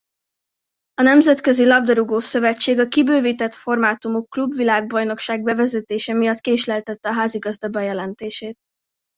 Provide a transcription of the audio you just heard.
A Nemzetközi Labdarúgó-szövetség a kibővített formátumú klubvilágbajnokság bevezetése miatt késleltette a házigazda bejelentését.